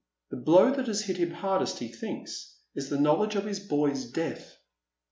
The blow that has hit him hardest, he thinks, is the knowledge of his boy's death.